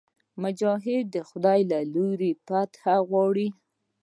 مجاهد د خدای له لورې فتحه غواړي.